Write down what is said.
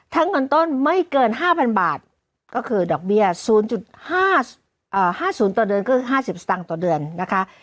ทั้งเงินต้นไม่เกินห้าพันบาทก็คือดอกเบี้ยศูนย์จุดห้าเอ่อห้าศูนย์ต่อเดือนก็คือห้าสิบสตางค์ต่อเดือนนะคะ